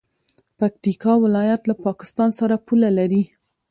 پکتیکا ولایت له پاکستان سره پوله لري.